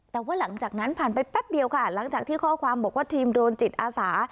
แต่ว่าหลังจากนั้นผ่านไปแป๊บเดียวค่ะหลังจากที่ข้อความบอกว่าทีมโรนจิตอาสา